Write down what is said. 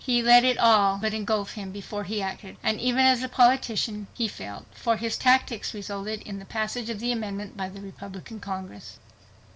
He let it all but engulf him before he acted. And even as a politician he failed, for his tactics resulted in the passage of the amendment by a Republican Congress.